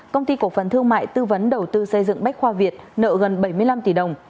công ty cổ phần thương mại tư vấn đầu tư xây dựng bách khoa việt nợ gần bảy mươi năm tỷ đồng